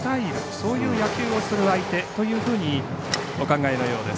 そういう野球をする相手というふうにお考えのようです。